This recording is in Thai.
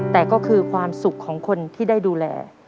แต่ก็คือความสุขของคนที่ได้ดูแล